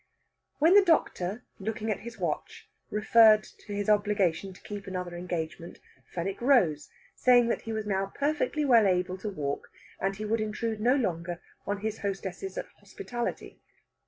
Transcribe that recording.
When the doctor, looking at his watch, referred to his obligation to keep another engagement, Fenwick rose, saying that he was now perfectly well able to walk, and he would intrude no longer on his hostesses' hospitality.